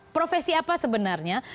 profesi apa sebenarnya